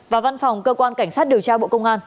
và văn phòng cơ quan cảnh sát điều tra bộ công an